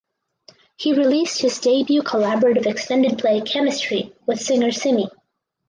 He released his debut collaborative extended play "Chemistry" with singer Simi.